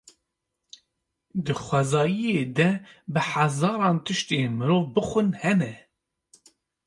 Di xwezayê de bi hezaran tiştên mirov bixwin hene.